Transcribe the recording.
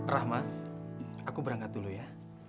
rahmat aku berangkat dulu ya